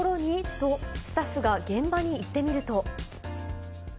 と、スタッフが現場に行ってみると。